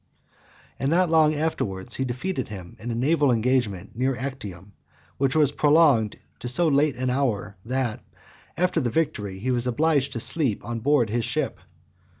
And not long afterwards he defeated him in a naval engagement near Actium, which was prolonged to so late an hour, that, after the victory, he was obliged to sleep on board his ship.